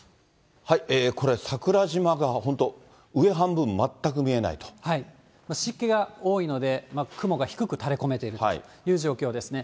これ、桜島が本当、上半分、全く湿気が多いので、雲が低く垂れこめているという状況ですね。